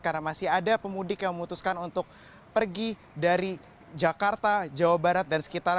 karena masih ada pemudik yang memutuskan untuk pergi dari jakarta jawa barat dan sekitar